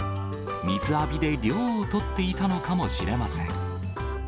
水浴びで涼をとっていたのかもしれません。